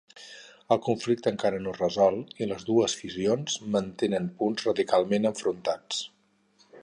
El conflicte encara no és resolt i les dues visions mantenen punts radicalment enfrontats.